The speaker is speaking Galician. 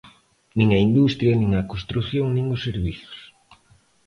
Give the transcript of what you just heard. Nin a industria, nin a construción nin os servizos.